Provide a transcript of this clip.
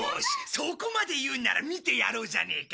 そこまで言うんなら見てやろうじゃねえか。